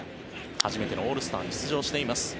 初めてのオールスターに出場しています。